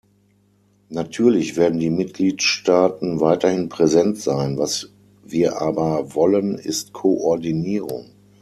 Natürlich werden die Mitgliedstaaten weiterhin präsent sein, was wir aber wollen, ist Koordinierung.